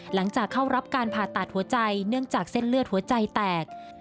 หลังจากเข้ารับการผ่าตัดหัวใจเนื่องจากเส้นเลือดหัวใจแตก